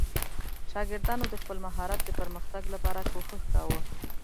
شاګردانو د خپل مهارت د پرمختګ لپاره کوښښ کاوه.